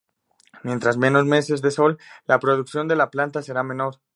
Mientras menos meses de sol la producción de la planta será menor.